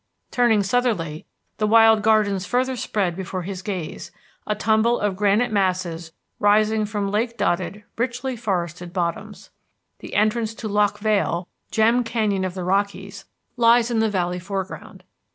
Turning southerly, the Wild Gardens further spread before his gaze, a tumble of granite masses rising from lake dotted, richly forested bottoms. The entrance to Loch Vale, gem canyon of the Rockies, lies in the valley foreground.